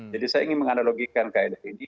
jadi saya ingin menganalogikan keadaan ini